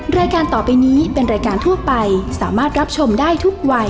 รายการต่อไปนี้เป็นรายการทั่วไปสามารถรับชมได้ทุกวัย